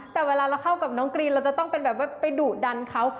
แต่เวลาเราเข้ากับน้องกรีนเราจะต้องเป็นแบบว่าไปดุดันเขา